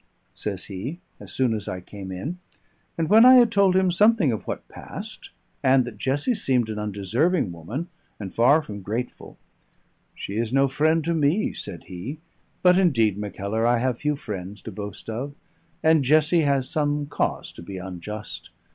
says he, as soon as I came in; and when I had told him something of what passed, and that Jessie seemed an undeserving woman, and far from grateful: "She is no friend to me," said he; "but indeed, Mackellar, I have few friends to boast of, and Jessie has some cause to be unjust.